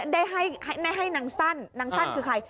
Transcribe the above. ได้ให้นางสั้นนางสั้นคือใคร